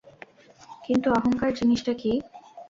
কিন্তু অহংকার জিনিসটা কি?